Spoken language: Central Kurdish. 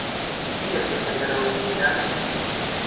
چی دەکەیت لە دەرەوەی زیندان؟